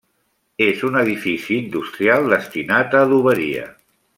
És un edifici industrial destinat a adoberia.